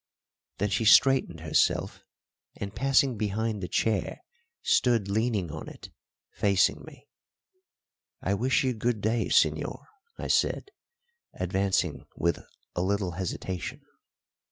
Then she straightened herself, and, passing behind the chair, stood leaning on it, facing me. "I wish you good day, señor," I said, advancing with a little hesitation.